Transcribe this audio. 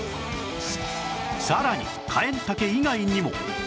さらにカエンタケ以外にも